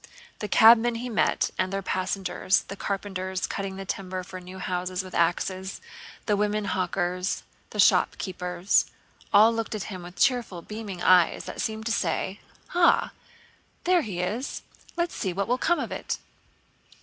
The cabmen he met and their passengers, the carpenters cutting the timber for new houses with axes, the women hawkers, and the shopkeepers, all looked at him with cheerful beaming eyes that seemed to say: "Ah, there he is! Let's see what will come of it!"